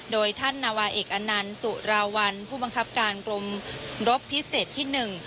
โดยท่านนาวาเอกอนันต์สุราวัลผู้บังคับการกรมรบพิเศษที่หนึ่ง